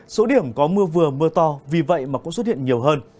số điểm có mưa vừa mưa to vì vậy mà cũng xuất hiện nhiều hơn